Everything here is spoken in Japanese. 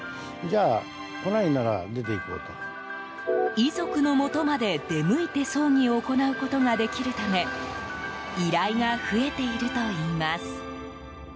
遺族のもとまで出向いて葬儀を行うことができるため依頼が増えているといいます。